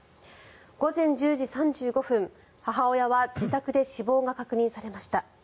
午前１０時３５分、母親は自宅で死亡が確認されました。